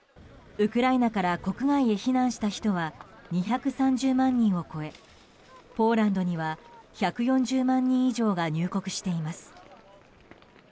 ウクライナから国外へ避難した人は２３０万人を超えポーランドには１４０万人以上が入国しています。